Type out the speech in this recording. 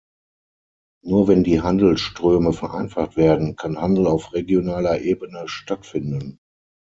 Nur wenn die Handelsströme vereinfacht werden, kann Handel auf regionaler Ebene stattfinden.